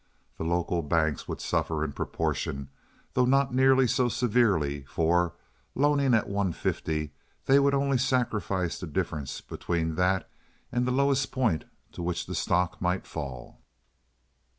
The local banks would suffer in proportion, though not nearly so severely, for, loaning at one fifty, they would only sacrifice the difference between that and the lowest point to which the stock might fall.